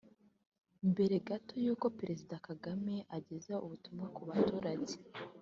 Mbere gato y’uko Perezida Kagame ageza ubutumwa ku baturage